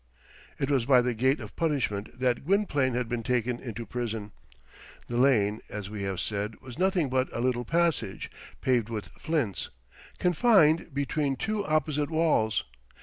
It was by the gate of punishment that Gwynplaine had been taken into prison. The lane, as we have said, was nothing but a little passage, paved with flints, confined between two opposite walls.